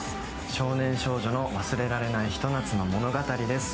少年・少女の忘れられないひと夏の物語です。